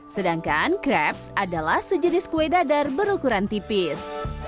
sedangkan kreps adalah sejenis kue dadar berukuran tipis